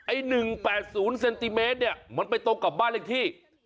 ไอ้๑๘๐เซนติเมตรเนี่ยมันไปตรงกับบ้านเลขที่